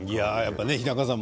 日高さん